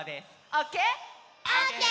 オッケー！